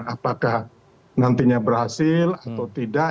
apakah nantinya berhasil atau tidak